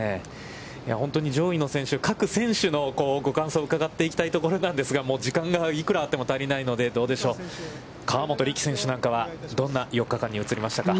本当に上位の選手、各選手のご感想を伺っていきたいところなんですが、時間がいくらあっても足りないので、どうでしょう、河本力選手なんかはどんな４日間に映りましたか。